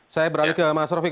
saya beralih ke mas rofik